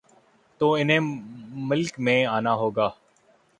تو انہیں ملک میں آنا ہو گا۔